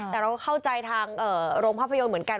แต่เราก็เข้าใจทางโรงภาพยนตร์เหมือนกัน